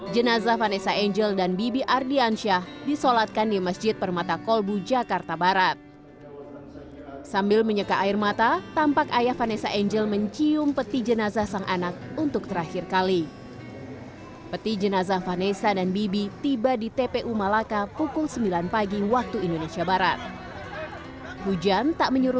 jangan lupa like share dan subscribe channel ini untuk dapat info terbaru